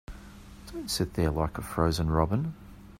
Don't sit there like a frozen robin.